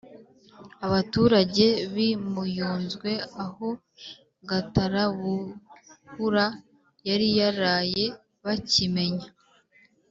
Abaturage b’i Muyunzwe aho Gatarabuhura yari yaraye bakimenya